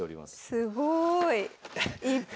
すごい。